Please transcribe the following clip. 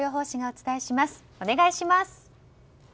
お願いします。